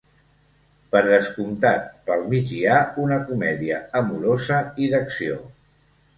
Per descomptat, pel mig hi ha una comèdia amorosa i d'acció.